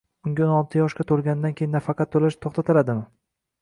unga o'n olti yoshga to‘lganidan keyin nafaqa to‘lash to‘xtatiladimi?